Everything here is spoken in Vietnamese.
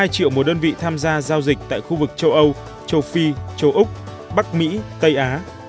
hai triệu một đơn vị tham gia giao dịch tại khu vực châu âu châu phi châu úc bắc mỹ tây á